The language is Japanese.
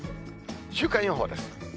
週間予報です。